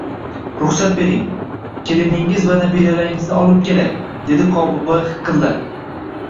Ruxsat bering, keliningiz va nabiralaringizni olib kelay, dedi Qobilboy hiqillab